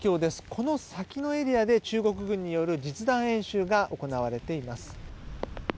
この先のエリアで中国軍による実弾演習が行われています。